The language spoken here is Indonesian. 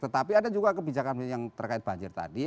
tetapi ada juga kebijakan yang terkait banjir tadi